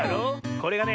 これがね